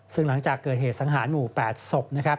ซึ่งหลังจากเกิดเหตุสังหารหมู่๘สบ